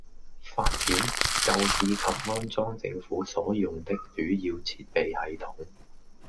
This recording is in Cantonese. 發展、購置及安裝政府所用的主要設備系統